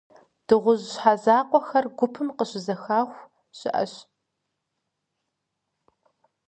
Дыгъужь щхьэ закъуэхэр гупым къыщызэхаху щыӏэщ.